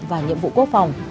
và nhiệm vụ quốc phòng